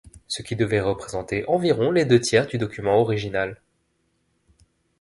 Ce qui devait représenter environ les deux tiers du document original.